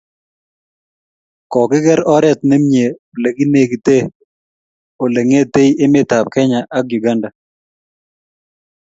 kokiker oret nemii olenekite olengetekei emet ab Kenya ak Uganda